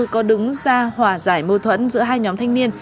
có đứng ra hòa giải mâu thuẫn giữa hai nhóm thanh niên